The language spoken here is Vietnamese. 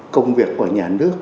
công việc của nhà nước